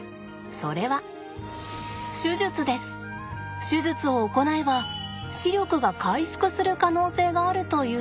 それは手術を行えば視力が回復する可能性があるというのです。